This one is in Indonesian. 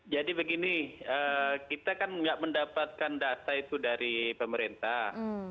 jadi begini kita kan tidak mendapatkan data itu dari pemerintah